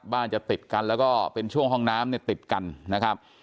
จะติดกันแล้วก็เป็นช่วงห้องน้ำเนี่ยติดกันนะครับ